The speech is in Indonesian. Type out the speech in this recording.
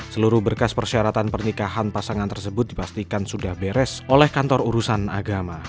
seluruh berkas persyaratan pernikahan pasangan tersebut dipastikan sudah beres oleh kantor urusan agama